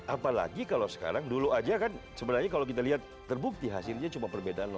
apalagi kalau sekarang dulu aja kan sebenarnya kalau kita lihat terbukti hasilnya cuma perbedaan